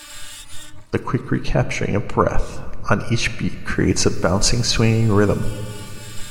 The quick recapturing of breath on each beat creates a bouncing, swinging rhythm.